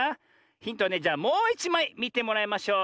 ヒントはねじゃもういちまいみてもらいましょう。